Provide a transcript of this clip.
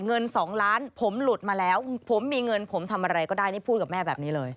เงิน๒ล้านผมหลุดมาแล้วผมมีเงินผมทำอะไรก็ได้นี่พูดกับแม่แบบนี้เลย